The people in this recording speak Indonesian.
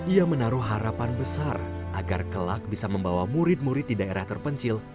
ia menaruh harapan besar agar kelak bisa membawa murid murid di daerah terpencil